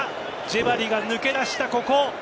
ジェバリが抜け出した、ここ。